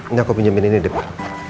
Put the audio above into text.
ini aku pinjemin ini deh pak